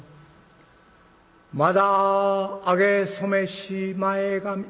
『まだあげ初めし前髪』。